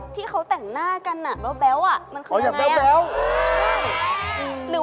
ที่เค้าแต่งหน้ากันแบ๊วมันคือยังไงอะเออแต่งคุย